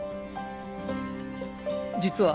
実は。